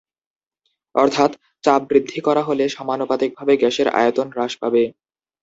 অর্থাৎ, চাপ বৃদ্ধি করা হলে সমানুপাতিক ভাবে গ্যাসের আয়তন হ্রাস পাবে।